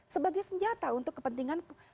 sebagai senjata untuk kepentingan